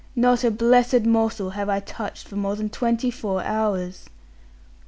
Not a blessed morsel have I touched for more than twenty four hours.'